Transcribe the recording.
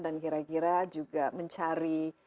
dan kira kira juga mencari